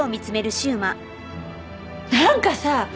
何かさ